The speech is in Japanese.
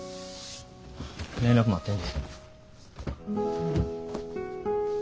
連絡待ってんで。